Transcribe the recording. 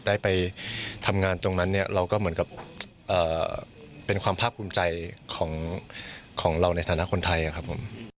ได้ไปทำงานตรงนั้นเนี่ยเราก็เหมือนกับเป็นความภาคภูมิใจของเราในฐานะคนไทยครับผม